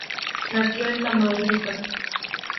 Nació en Tamaulipas.